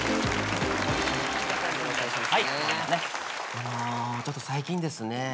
あのちょっと最近ですね